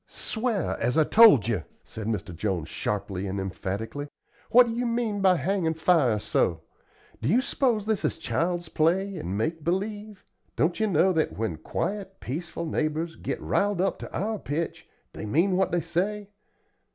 "Sw'ar, as I told you," said Mr. Jones, sharply and emphatically. "What do you mean by hangin' fire so? Do you s'pose this is child's play and make believe? Don't ye know that when quiet, peaceable neighbors git riled up to our pitch, they mean what they say?